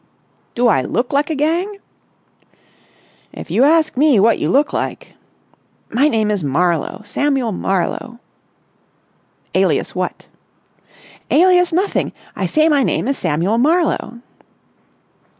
"Do I look like a gang?" "If you ask me what you look like...." "My name is Marlowe ... Samuel Marlowe...." "Alias what?" "Alias nothing! I say my name is Samuel Marlowe...."